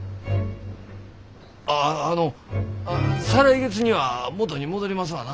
あああの再来月には元に戻りますわな？